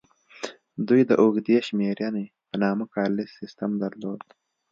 دوی د اوږدې شمېرنې په نامه کالیز سیستم درلود